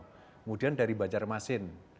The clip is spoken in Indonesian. kemudian dari bacar masin